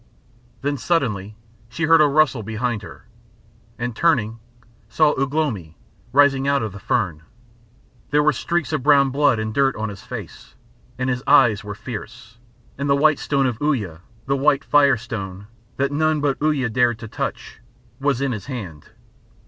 Then suddenly she heard a rustle behind her, and turning, saw Ugh lomi rising out of the fern. There were streaks of brown blood and dirt on his face, and his eyes were fierce, and the white stone of Uya, the white Fire Stone, that none but Uya dared to touch, was in his hand.